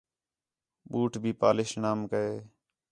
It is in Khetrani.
بوٹ بھی پالش نام کے